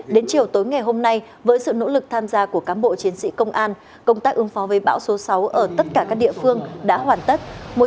đến chiều tối ngày hôm nay với sự nỗ lực tham gia của cám bộ chiến sĩ công an công tác ứng phó với bão số sáu ở tất cả các địa phương đã hoàn tất